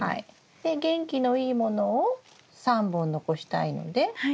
で元気のいいものを３本残したいので？